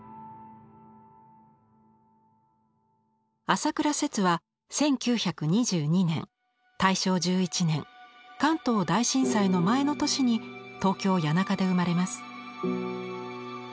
朝倉摂は１９２２年大正１１年関東大震災の前の年に東京・谷中で生まれます。